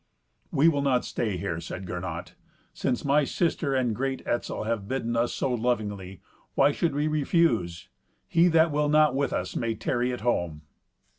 "We will not stay here," said Gernot. "Since my sister and great Etzel have bidden us so lovingly, why should we refuse? He that will not with us may tarry at home."